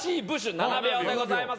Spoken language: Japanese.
７秒でございます。